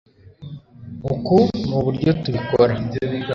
uku nuburyo tubikora